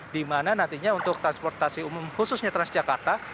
dimana nantinya untuk transportasi umum khususnya transjakarta